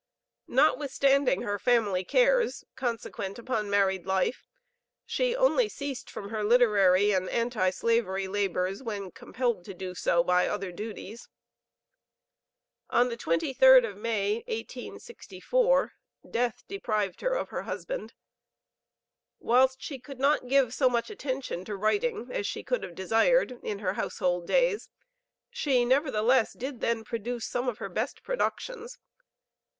Notwithstanding her family cares, consequent upon married life, she only ceased from her literary and anti slavery labors, when compelled to do so by other duties. On the 23d of May, 1864, death deprived her of her husband. Whilst she could not give so much attention to writing as she could have desired in her household days, she, nevertheless, did then produce some of her best productions.